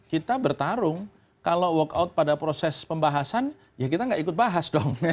kita bertarung kalau walk out pada proses pembahasan ya kita nggak ikut bahas dong